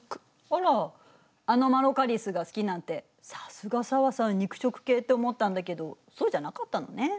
あらアノマロカリスが好きなんて「さすが紗和さん肉食系」って思ったんだけどそうじゃなかったのね。